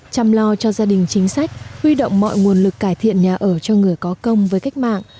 chăm lo cho gia đình chính sách huy động mọi nguồn lực cải thiện nhà ở cho người có công với cách mạng